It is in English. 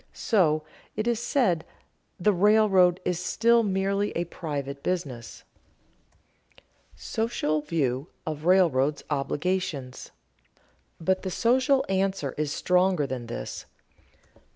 So, it is said, the railroad is still merely a private business. [Sidenote: Social view of railroads' obligations] But the social answer is stronger than this.